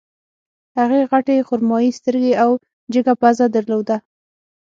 هغې غټې خرمايي سترګې او جګه پزه درلوده